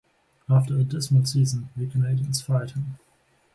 After a dismal season, the Canadiens fired him.